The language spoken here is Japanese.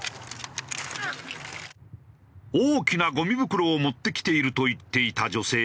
大きなゴミ袋を持ってきていると言っていた女性に。